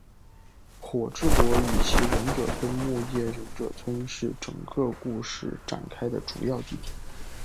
火之国与其忍者村木叶忍者村是整个故事展开的主要地点。